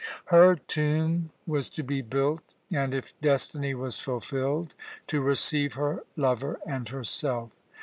Her tomb was to be built and, if destiny was fulfilled, to receive her lover and herself.